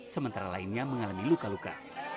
sementara lainnya mengalami luka luka